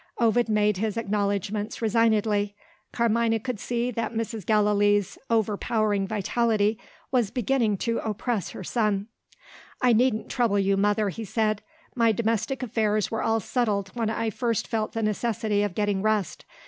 Ovid made his acknowledgments resignedly. Carmina could see that Mrs. Gallilee's overpowering vitality was beginning to oppress her son. "I needn't trouble you, mother," he said. "My domestic affairs were all settled when I first felt the necessity of getting rest.